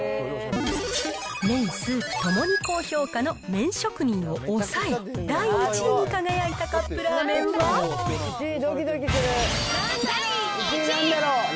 麺、スープともに高評価の麺職人を抑え、第１位に輝いたカップラーメ第１位。